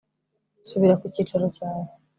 subira ku cyicaro cyawe